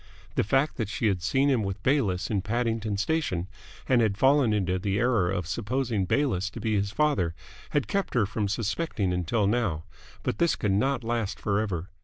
The fact that she had seen him with Bayliss in Paddington Station and had fallen into the error of supposing Bayliss to be his father had kept her from suspecting until now; but this could not last forever.